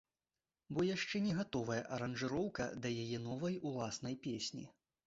Бо яшчэ не гатовая аранжыроўка да яе новай уласнай песні.